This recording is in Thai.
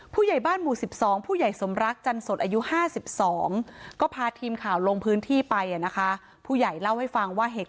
ผู้ใหญ่บ้านหมู่๑๒ผู้ใหญ่สมรักจันสดอายุ๕๒